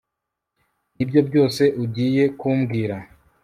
nibyo byose ugiye kumbwira